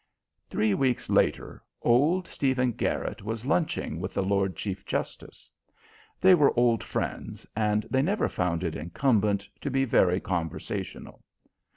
Three weeks later old Stephen Garrit was lunching with the Lord Chief Justice. They were old friends, and they never found it incumbent to be very conversational.